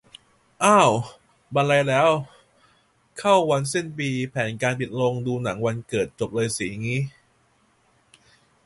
อ้าว บรรลัยแล้ว เข้าวันสิ้นปี แผนการปิดโรงดูหนังวันเกิดจบเลยสิงี้